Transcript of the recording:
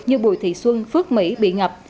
như bùi thị xuân phước mỹ bị ngập